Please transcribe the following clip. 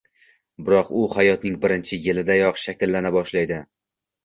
Biroq u hayotning birinchi yilidayoq shakllana boshlaydi.